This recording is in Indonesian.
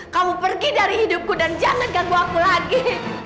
kamu pergi dari hidupku dan jangan ganggu aku lagi